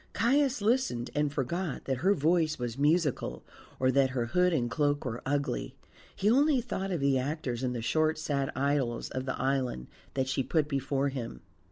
Caius listened, and forgot that her voice was musical or that her hood and cloak were ugly; he only thought of the actors in the short sad idylls of the island that she put before him.